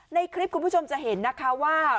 ในคลิปคุณผู้ชมจะเห็นนะคะว่า